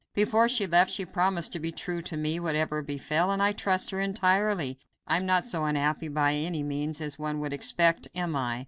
Before she left she promised to be true to me, whatever befell, and I trust her entirely. I am not so unhappy by any means as one would expect. Am I?"